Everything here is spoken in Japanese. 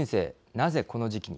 なぜこの時期に。